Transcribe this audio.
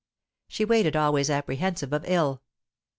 She waited, always apprehensive of ill.